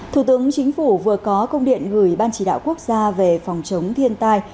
thủ tướng chính phủ vừa có công điện gửi ban chỉ đạo quốc gia về phòng chống thiên tai